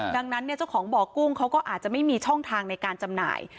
ดังนั้นเจ้าของบ่อกุ้งเขาก็อาจจะไม่มีช่องทางในการจำหน่าย